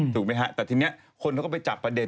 ถูกไหมฮะแต่ทีนี้คนเขาก็ไปจับประเด็น